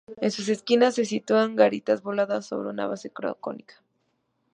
En sus esquinas se sitúan garitas voladas sobre una base cónica.